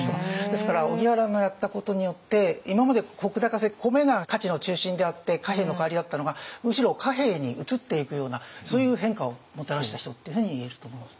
ですから荻原がやったことによって今まで石高で米が価値の中心であって貨幣の代わりだったのがむしろ貨幣に移っていくようなそういう変化をもたらした人っていうふうにいえると思います。